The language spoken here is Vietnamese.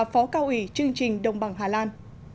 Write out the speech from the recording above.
phó cao ủy chương trình đồng bằng hà lan